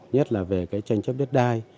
nhất là về tranh chấp đất đai